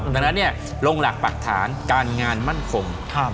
ดังนั้นลงหลักปรักฐานการงานมั่นคง